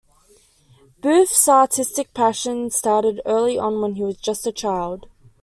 Booth's artistic passion started early on when he was just a child.